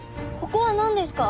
ここは何ですか？